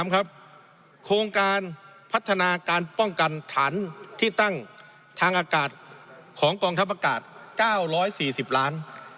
โครงการพัฒนาการป้องกันฐานที่ตั้งทางอากาศของกองทัพอากาศ๙๔๐ล้าน